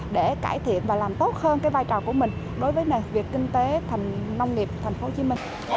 để cải thiện và làm tốt hơn vai trò của mình đối với việc kinh tế nông nghiệp tp hcm